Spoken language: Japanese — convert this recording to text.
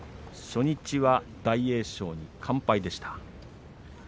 初日は大栄翔に完敗でした。